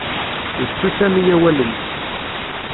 Yettu Sami awal-nni.